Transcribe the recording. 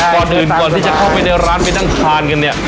ก่อนอื่นก่อนที่จะเข้าไปในร้านไปนั่งทานกันเนี่ย